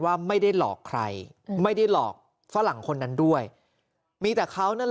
ว่าไม่ได้หลอกใครไม่ได้หลอกฝรั่งคนนั้นด้วยมีแต่เขานั่นแหละ